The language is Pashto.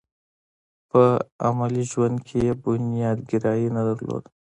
په عملي ژوند کې یې بنياد ګرايي نه درلوده.